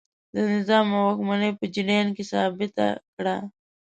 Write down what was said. د نظام او واکمنۍ په جریان کې ثابته کړه.